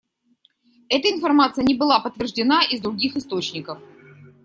Эта информация не была подтверждена из других источников.